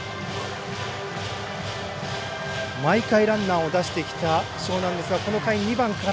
毎回ランナーを出してきた樟南ですがこの回、２番から。